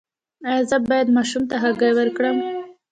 ایا زه باید ماشوم ته هګۍ ورکړم؟